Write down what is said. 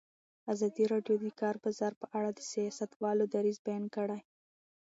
ازادي راډیو د د کار بازار په اړه د سیاستوالو دریځ بیان کړی.